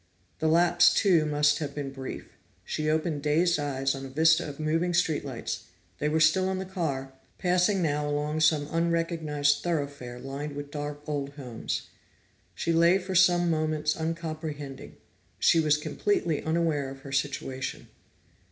That lapse too must have been brief. She opened dazed eyes on a vista of moving street lights; they were still in the car, passing now along some unrecognized thoroughfare lined with dark old homes. She lay for some moments uncomprehending; she was completely unaware of her situation.